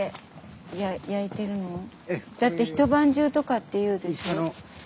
だって一晩中とかっていうでしょ。